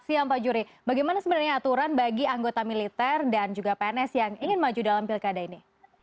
siang pak juri bagaimana sebenarnya aturan bagi anggota militer dan juga pns yang ingin maju dalam pilkada ini